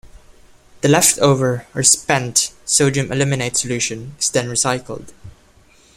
The left-over or 'spent' sodium aluminate solution is then recycled.